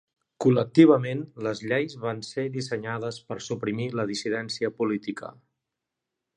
Col·lectivament, les lleis van ser dissenyades per suprimir la dissidència política.